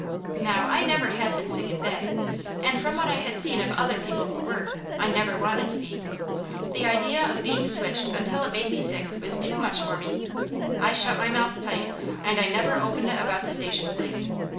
Now I never had been sick in bed, and from what I had seen of other people who were, I never wanted to be. The idea of being switched until it made me sick was too much for me. I shut my mouth tight and I never opened it about the Station place.